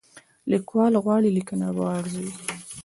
لیکوال غواړي لیکنه وارزوي.